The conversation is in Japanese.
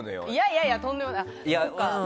いやいや、とんでもない。